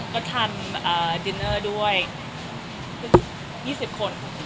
ก็ทานดินเนอร์ด้วย๒๐คน